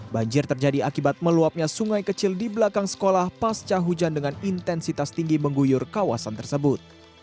banjir terjadi akibat meluapnya sungai kecil di belakang sekolah pasca hujan dengan intensitas tinggi mengguyur kawasan tersebut